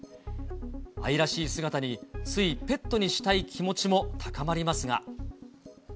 愛らしい姿に、ついペットにしたい気持ちも高まりますが。